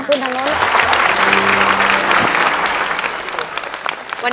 ขอบคุณครับ